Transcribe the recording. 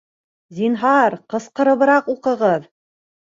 Зинһар, ҡысҡырыбыраҡ уҡығыҙ.